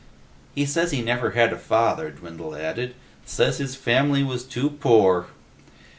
"He says he never had a father," Dwindle added. "Says his family was too poor."